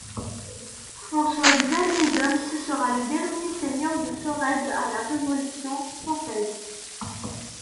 François-Xavier d'Oms sera le dernier seigneur de Sorède à la Révolution française.